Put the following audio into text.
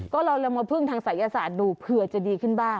ก็เราลองมาพึ่งทางศัยศาสตร์ดูเผื่อจะดีขึ้นบ้าง